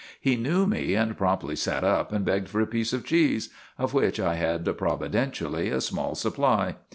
He knew me and promptly sat up and begged for a piece of cheese, of which I had providentially a small sup ply.